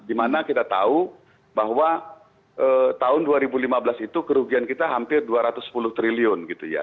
dimana kita tahu bahwa tahun dua ribu lima belas itu kerugian kita hampir dua ratus sepuluh triliun gitu ya